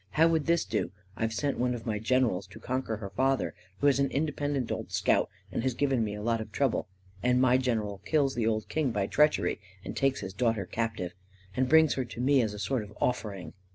How would this do : I've sent one of my gen erals to conquer her father, who is an independent old scout and has given me a lot of trouble; and my general kills the old king by treachery, and takes his daughter captive, and brings her to me as a sort of offering.